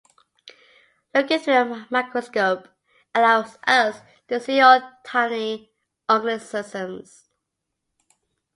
Looking through a microscope allows us to see all tiny organisms.